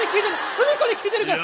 ふみこに聞いてるから！